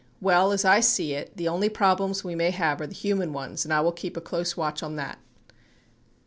Well as I see it, the only problems we may have are the hum, an ones and I will keep a close watch on that.